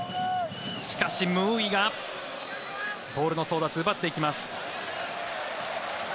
しかし、ムーイがボールの争奪奪っていきます。